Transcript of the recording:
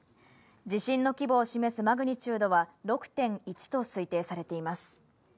地震の規模を示すマグニチュードは６．１と推定されています。